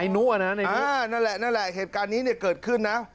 นั่นแหละนั่นแหละเหตุการณ์นี้เนี่ยเกิดขึ้นนะ